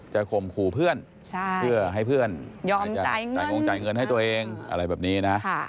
ข่มขู่เพื่อนเพื่อให้เพื่อนจ่ายงงจ่ายเงินให้ตัวเองอะไรแบบนี้นะ